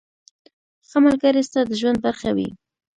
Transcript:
• ښه ملګری ستا د ژوند برخه وي.